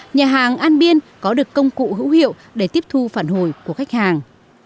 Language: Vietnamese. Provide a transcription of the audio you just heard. nhà hàng an biên có được công cụ hữu hiệu để tiếp thu phản hồi của khách hàng